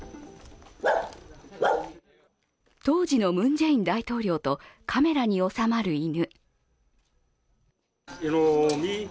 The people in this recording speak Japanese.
当時のムン・ジェイン大統領とカメラにおさまる犬。